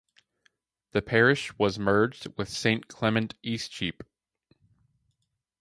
The parish was merged with Saint Clement Eastcheap.